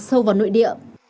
sâu vào nội địa